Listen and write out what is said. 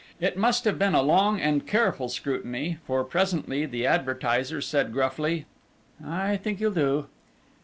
It must have been a long and careful scrutiny, for presently the advertiser said gruffly: "I think you'll do."